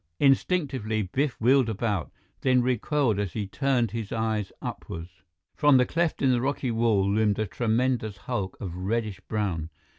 Instinctively, Biff wheeled about, then recoiled as he turned his eyes upward. From the cleft in the rocky wall loomed a tremendous hulk of reddish brown.